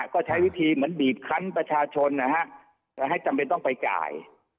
ก็ใช้วิธีเหมือนบีบคันประชาชนนะฮะให้จำเป็นต้องไปจ่าย